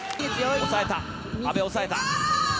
押さえた、阿部押さえた。